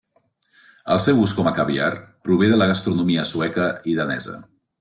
El seu ús com a caviar prové de la gastronomia sueca i danesa.